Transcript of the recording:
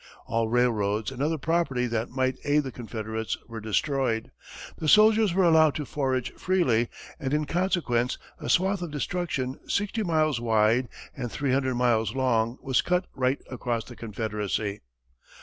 All railroads and other property that might aid the Confederates were destroyed, the soldiers were allowed to forage freely, and in consequence a swath of destruction sixty miles wide and three hundred miles long was cut right across the Confederacy.